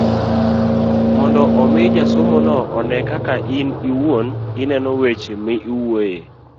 mondo omi jasomono one kaka in iwuon ineno weche miwuoyoe.